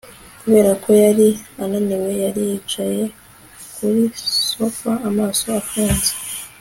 kubera ko yari ananiwe, yari yicaye kuri sofa amaso afunze